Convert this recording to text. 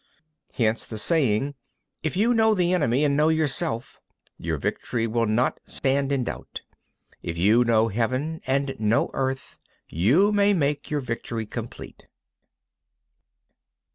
31. Hence the saying: If you know the enemy and know yourself, your victory will not stand in doubt; if you know Heaven and know Earth, you may make your victory complete.